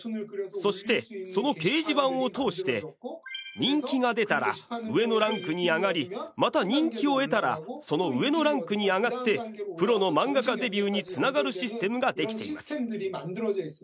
そしてその掲示板を通して人気が出たら上のランクに上がりまた人気を得たらその上のランクに上がってプロの漫画家デビューにつながるシステムができています。